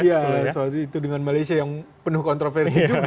iya soal itu dengan malaysia yang penuh kontroversi juga